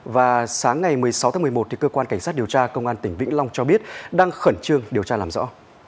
và sáng ngày một mươi sáu tháng một mươi một cơ quan cảnh sát điều tra công an tỉnh vĩnh long cho biết đang khẩn trương điều tra làm rõ